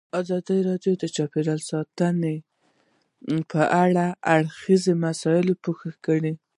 ازادي راډیو د چاپیریال ساتنه په اړه د هر اړخیزو مسایلو پوښښ کړی.